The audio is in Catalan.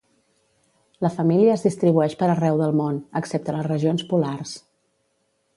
La família es distribueix per arreu del món, excepte a les regions polars.